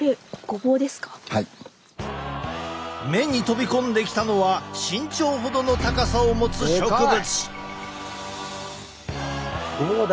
目に飛び込んできたのは身長ほどの高さを持つ植物！